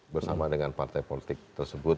bersama dengan partai politik tersebut